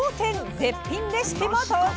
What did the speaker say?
絶品レシピも登場。